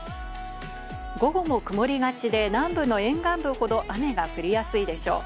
午後も曇りがちで、南部の沿岸部ほど雨が降りやすいでしょう。